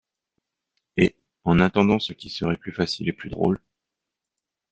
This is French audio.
Et, en attendant, ce qui serait plus facile et plus drôle